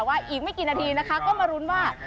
อีกไม่กี่นาทีนะคะก็มารุ้นว่า